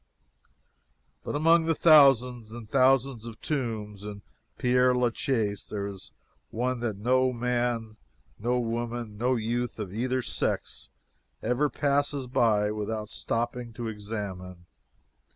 But among the thousands and thousands of tombs in Pere la Chaise, there is one that no man, no woman, no youth of either sex, ever passes by without stopping to examine.